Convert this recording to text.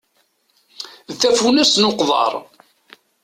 D tafunast n uqḍar.